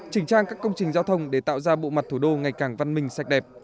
chỉnh trang các công trình giao thông để tạo ra bộ mặt thủ đô ngày càng văn minh sạch đẹp